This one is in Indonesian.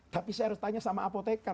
tapi saya harus tanya sama apotekar